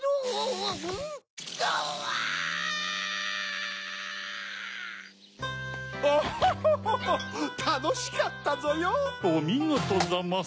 おみごとざます！